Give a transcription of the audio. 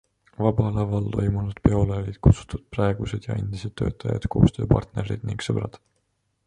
Vaba Laval toimunud peole olid kutsutud praegused ja endised töötajad, koostööpartnerid ning sõbrad.